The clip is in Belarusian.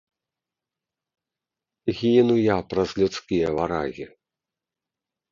Гіну я праз людскія варагі.